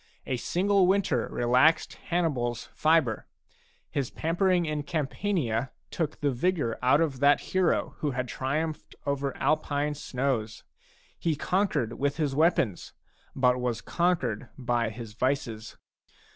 A single winter relaxed HannibaFs fibre; his pamper ing in Campania took the vigour out of that hero who had triumphed over Alpine snows. He con quered with his weapons, but was conquered by his vices.